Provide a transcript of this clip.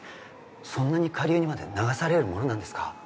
そんなに下流にまで流されるものなんですか？